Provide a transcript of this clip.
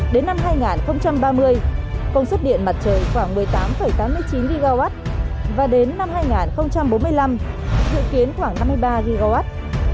đến năm hai nghìn ba mươi công suất điện mặt trời khoảng một mươi tám tám mươi chín gigawatt và đến năm hai nghìn bốn mươi năm dự kiến khoảng năm mươi ba gigawatt